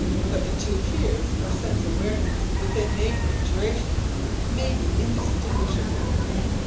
But the two 'heres' of sense awareness within neighbouring durations may be indistinguishable.